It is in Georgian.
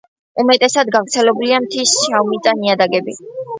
უმეტესად გავრცელებულია მთის შავმიწა ნიადაგები.